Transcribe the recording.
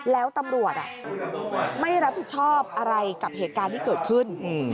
แล้วตำรวจไม่รับผิดชอบอะไรกับเหตุการณ์ที่เกิดขึ้น